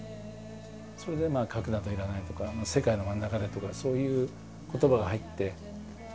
それで「核などいらない」とか「世界の真中で」とかそういう言葉が入って。